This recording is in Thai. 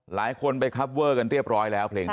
หลายคนไปคับเวอร์กันเรียบร้อยแล้วเพลงนี้